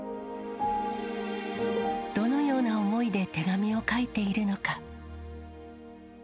どのような思いで手紙を書いているのか。